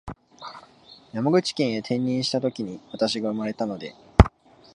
山口県へ転任したときに私が生まれたので